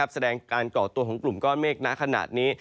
แสดงการก่อตัวของกลุ่มก้อนเมฆณขนาดนี้